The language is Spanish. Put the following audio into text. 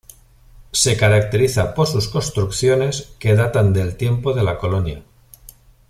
Se caracteriza por sus construcciones que datan del tiempo de la Colonia.